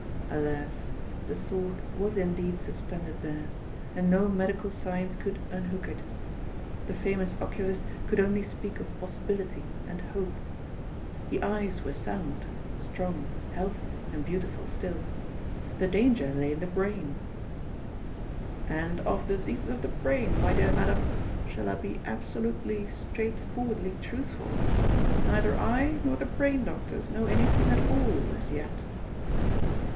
Alas ! the sword was indeed suspended there, and no medical science could unhook it. The famous oculist could only speak of possibility and hope. The eyes were sound— 36 C^OD'S POOL. strong, healthy, and beautiful still. The danger lay in the brain. ^^ And of diseases of the brain, my dear madam — shall I be absolutely, straightforwardly truthful ?— neither I nor the brain doctors know anything at all as yet."